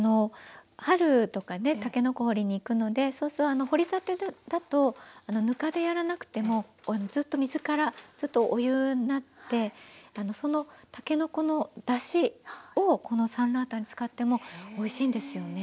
春とかねたけのこ掘りに行くのでそうすると掘りたてだとぬかでやらなくてもずっと水からお湯になってそのたけのこのだしをこのサンラータンに使ってもおいしいんですよね。